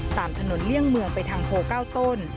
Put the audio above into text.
ตามถนนเลี่ยงเมืองไปทางโพ๙ต้น